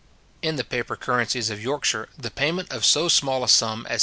In the paper currencies of Yorkshire, the payment of so small a sum as 6d.